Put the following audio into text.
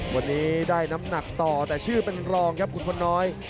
วันนี้ได้น้ำหนักต่อแต่ชื่อเป็นรองครับคุณพลน้อย